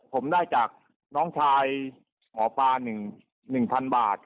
ผมได้จากน้องชายหมอปลา๑๐๐๐บาท